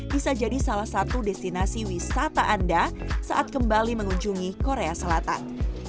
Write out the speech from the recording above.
bisa jadi salah satu destinasi wisata anda saat kembali mengunjungi korea selatan